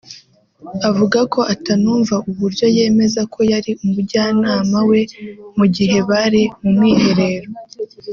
avuga ko atanumva uburyo yemeza ko yari umujyanama we mu gihe bari mu mwiherero